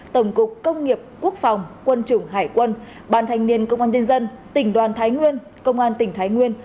tổng cục công nghiệp quốc phòng quân chủng hải quân ban thanh niên công an nhân dân tỉnh đoàn thái nguyên công an tỉnh thái nguyên